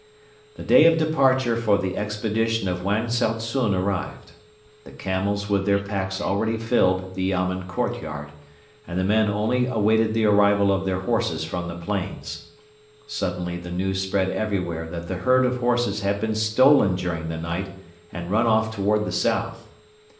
The day of departure for the expedition of Wang Tsao tsun arrived. The camels with their packs already filled the yamen court yard and the men only awaited the arrival of their horses from the plains. Suddenly the news spread everywhere that the herd of horses had been stolen during the night and run off toward the south.